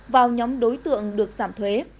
vào nhóm đối tượng được giảm thuế